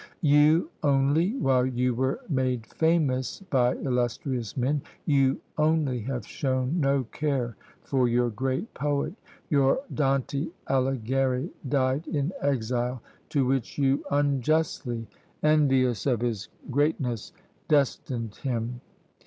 You only, while you were made famous by illustrious men, you only have shown no care for your great poet. Your Dante Alighieri died in exile, to which you unjustly, envious of his greatness, destined him!